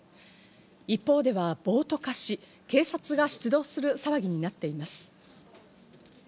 一方では暴徒化し、警察が出動する動きになっています。